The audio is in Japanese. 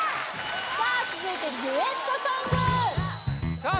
さあ続いてデュエットソングさあ